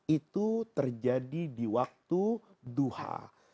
itu terjadi di waktu duha